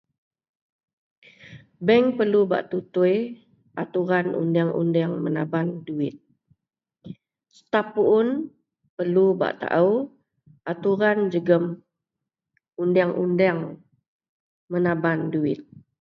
Bank perlu bak tutui aturan undang-undang menaban duwit ataupun perlu bak taau aturan jegum undang-undang menaban duwit